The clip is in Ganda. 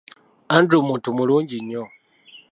Andrew muntu mulungi nnyo.